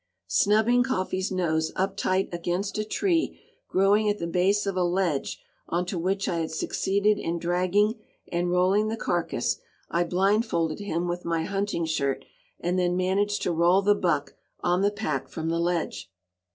Snubbing "Coffee's" nose up tight against a tree growing at the base of a ledge on to which I had succeeded in dragging and rolling the carcass, I blindfolded him with my hunting shirt, and then managed to roll the buck on the pack from the ledge.